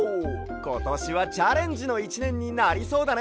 ことしはチャレンジの１ねんになりそうだね！